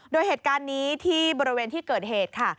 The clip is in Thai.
โดยเหตุการณ์นี้ที่บริเวณที่เกิดเหตุค่ะ